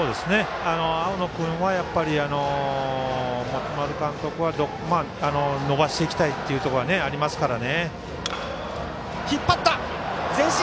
青野君は、やっぱり持丸監督は伸ばしていきたいというところはありますからね。